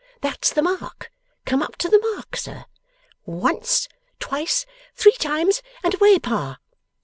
That's the mark; come up to the mark, sir. Once! Twice! Three times and away, Pa!